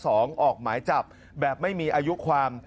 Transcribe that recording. ออกหมายจับแบบไม่มีอายุความ